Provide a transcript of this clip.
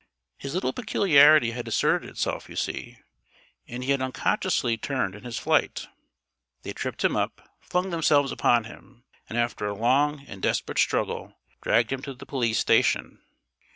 His little peculiarity had asserted itself, you see, and he had unconsciously turned in his flight. They tripped him up, flung themselves upon him, and after a long and desperate struggle dragged him to the police station.